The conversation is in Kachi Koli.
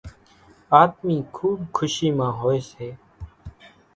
آۮمِي کُوٻ کُشِي مان هوئيَ سي۔